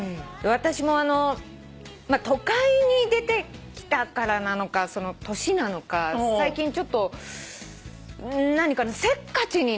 私も都会に出てきたからなのか年なのか最近ちょっとせっかちに。